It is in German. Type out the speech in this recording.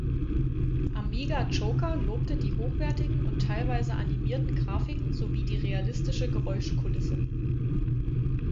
Amiga Joker lobte die hochwertigen und teilweise animierten Grafiken sowie die realistische Geräuschkulisse.